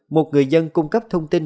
một người dân cung cấp thông tin